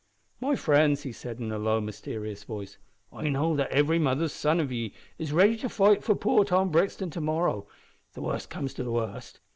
"My frinds," he said, in a low, mysterious voice, "I know that ivery mother's son of ye is ready to fight for poor Tom Brixton to morrow, if the wust comes to the wust.